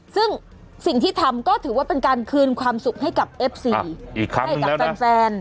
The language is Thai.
ซึ่งสิ่งที่ทำก็ถือว่าเป็นการคืนความสุขให้กับเอฟซีอีกครั้งหนึ่งแล้วนะให้กับแฟนแฟน